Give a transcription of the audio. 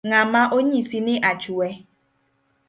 Ng’a ma onyisi ni achwe?